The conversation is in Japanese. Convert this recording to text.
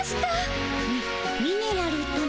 ミミネラルとな？